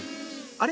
あれ？